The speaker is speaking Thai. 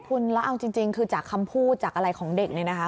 คุณแล้วเอาจริงคือจากคำพูดจากอะไรของเด็กเนี่ยนะคะ